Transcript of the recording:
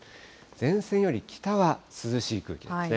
前線より北は涼しい空気ですね。